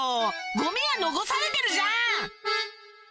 ゴミが残されてるじゃん！